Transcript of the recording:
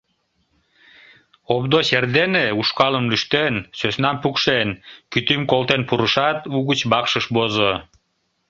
Овдоч эрдене, ушкалым лӱштен, сӧснам пукшен, кӱтӱм колтен пурышат, угыч вакшыш возо.